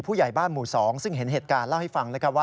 ผู้ใหญ่บ้านหมู่๒ซึ่งเห็นเอกลาให้ฟัง